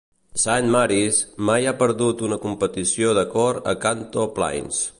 Saint Mary's mai ha perdut una competició de cor a Kanto Plains.